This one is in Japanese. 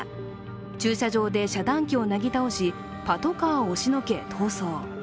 駐車場で遮断機をなぎ倒しパトカーを押しのけ、逃走。